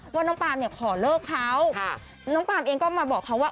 ว่าน้องปามเนี่ยขอเลิกเขาน้องปามเองก็มาบอกเขาว่า